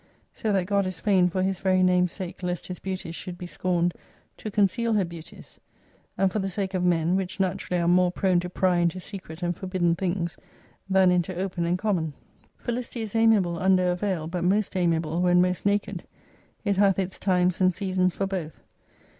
So that God is fain for His very name's sake lest His beauties should be scorned, to conceal her beauties : and for the sake of men, which naturally are more prone to pry into secret and forbidden things, than into open and common. Felicity is amiable under a veil, but most amiable when most naked. It hath its times and seasons for both.